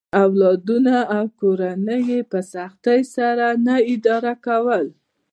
اولادونه او کورنۍ یې په سختۍ سره نه اداره کوله.